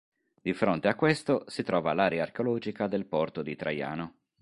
Di fronte a questo si trova l'area archeologica del Porto di Traiano.